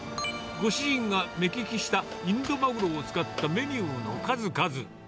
ご主人が目利きしたインドマグロを使ったメニューの数々。